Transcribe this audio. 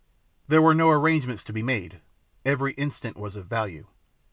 There were no arrangements to be made. Every instant was of value.